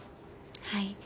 はい。